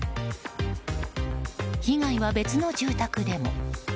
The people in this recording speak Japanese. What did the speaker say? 被害は別の住宅でも。